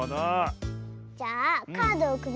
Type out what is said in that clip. じゃあカードをくばるよ。